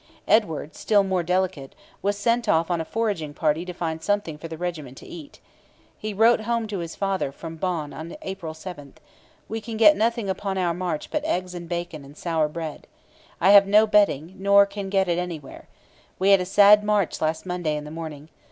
Edward, still more delicate, was sent off on a foraging party to find something for the regiment to eat. He wrote home to his father from Bonn on April 7: 'We can get nothing upon our march but eggs and bacon and sour bread. I have no bedding, nor can get it anywhere. We had a sad march last Monday in the morning.